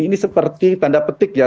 ini seperti tanda petik ya